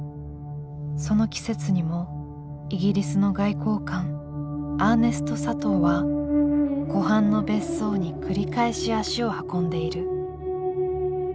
その季節にもイギリスの外交官アーネスト・サトウは湖畔の別荘に繰り返し足を運んでいる。